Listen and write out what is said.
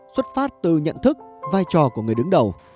xuất phát từ nhận thức vai trò của người đứng đầu